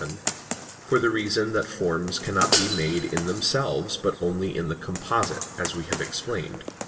vii), for the reason that forms cannot be made in themselves, but only in the composite, as we have explained (Q.